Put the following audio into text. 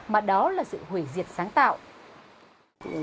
mà đó là sự hủy diệt sáng tạo